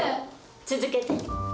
続けて。